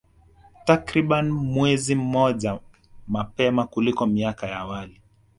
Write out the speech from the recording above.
Takriban mwezi mmoja mapema kuliko miaka ya awali